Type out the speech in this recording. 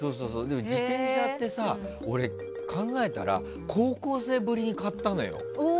自転車って俺、考えたら高校生ぶりに買ったのよ。